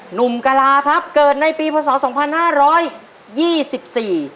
หนุ่มกะลาครับเกิดในปีพศสองพันห้าร้อยยี่สิบสี่